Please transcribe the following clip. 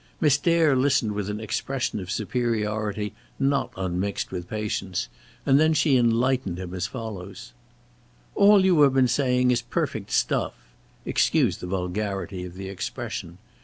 Miss Dare listened with an expression of superiority not unmixed with patience, and then she enlightened him as follows: "All you have been saying is perfect stuff excuse the vulgarity of the expression.